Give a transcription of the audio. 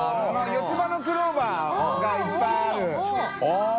四つ葉のクローバーがい辰僂い△襦あぁ。